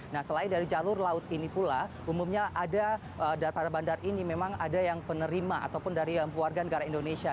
nah selain dari jalur laut ini pula umumnya ada dari para bandar ini memang ada yang penerima ataupun dari warga negara indonesia